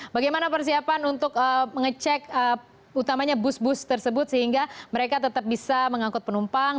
bagaimana persiapan untuk mengecek utamanya bus bus tersebut sehingga mereka tetap bisa mengangkut penumpang